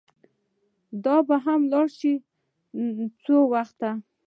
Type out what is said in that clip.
چې دا به هم ولاړه شي، خو څه وخت.